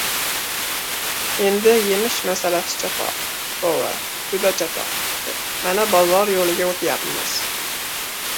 — Endi, yemish masalasi chatoq, bova, juda chatoq, — dedi. — Mana, bozor yo‘liga o‘tayapmiz.